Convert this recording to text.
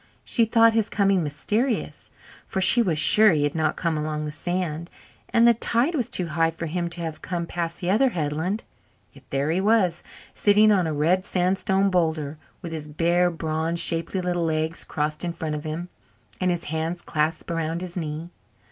She thought his coming mysterious, for she was sure he had not come along the sand, and the tide was too high for him to have come past the other headland. Yet there he was, sitting on a red sandstone boulder, with his bare, bronzed, shapely little legs crossed in front of him and his hands clasped around his knee.